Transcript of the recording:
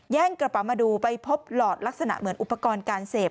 กระเป๋ามาดูไปพบหลอดลักษณะเหมือนอุปกรณ์การเสพ